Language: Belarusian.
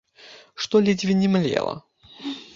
Што ледзьве не млела.